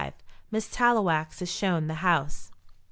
MISS TALLOWAX IS SHOWN THE HOUSE.